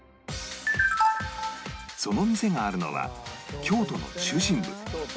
その店があるのは京都の中心部